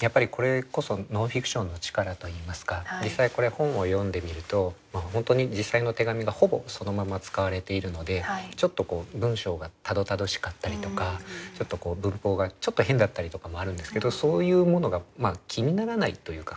やっぱりこれこそノンフィクションの力といいますか実際これは本を読んでみると本当に実際の手紙がほぼそのまま使われているのでちょっとこう文章がたどたどしかったりとか文法がちょっと変だったりとかもあるんですけどそういうものが気にならないというか。